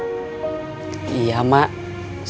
gatau dimana makamnya